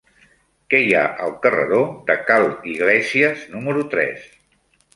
Què hi ha al carreró de Ca l'Iglésies número tres?